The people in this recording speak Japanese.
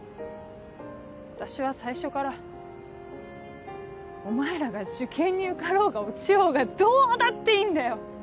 私は最初からお前らが受験に受かろうが落ちようがどうだっていいんだよ！